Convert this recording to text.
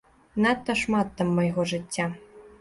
Надта шмат там майго жыцця.